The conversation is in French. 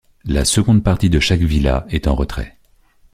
La seconde partie de chaque villa est en retrait.